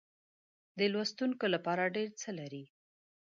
د لوستونکو لپاره ډېر څه لري.